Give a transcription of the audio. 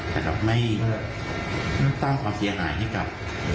จะไม่ตั้งความเสียหายให้กับ